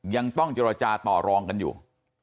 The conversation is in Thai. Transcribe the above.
ยังต้องเจรจาต่อรองกันอยู่